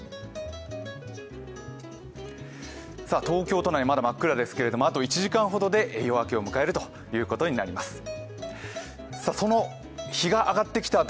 東京都内、まだ真っ暗ですけれども、あと１時間ほどで夜明けを迎えるということになります。